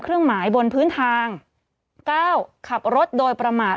ผู้ต้องหาที่ขับขี่รถจากอายานยนต์บิ๊กไบท์